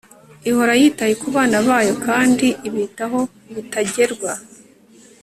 ihora yitaye ku bana bayo, kandi ibitaho bitagerwa